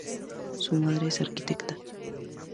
Su madre es arquitecta.